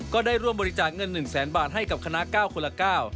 ก็ได้ร่วมบริจาคเงินหนึ่งแสนบาทให้กับคณะ๙คนละ๙